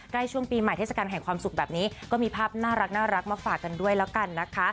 ช่วงปีใหม่เทศกาลแห่งความสุขแบบนี้ก็มีภาพน่ารักมาฝากกันด้วยแล้วกันนะคะ